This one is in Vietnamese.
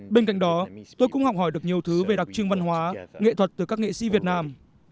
bên cạnh đó tôi cũng học hỏi được nhiều thứ về đặc trưng văn hóa nghệ thuật từ các nghệ sĩ việt nam